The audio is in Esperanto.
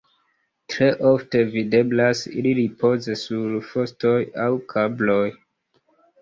Tre ofte videblas ili ripoze sur fostoj aŭ kabloj.